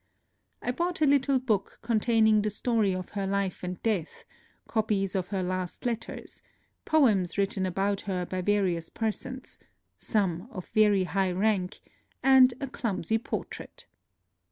I bought a little book containing the story of her life and death, copies of her last letters, poems written about her by various persons, — some of very high rank, — and a clumsy por trait.